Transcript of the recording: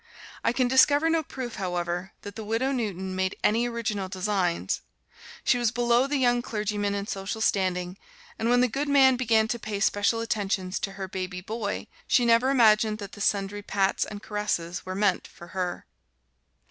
I can discover no proof, however, that the Widow Newton made any original designs; she was below the young clergyman in social standing, and when the good man began to pay special attentions to her baby boy she never imagined that the sundry pats and caresses were meant for her.